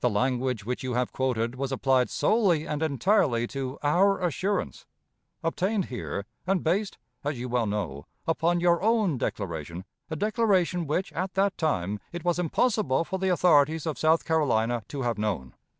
The language which you have quoted was applied solely and entirely to our assurance, obtained here, and based, as you well know, upon your own declaration a declaration which, at that time, it was impossible for the authorities of South Carolina to have known.